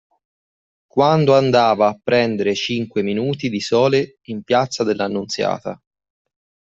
Quando andava a prendere cinque minuti di sole in Piazza dell'Annunziata.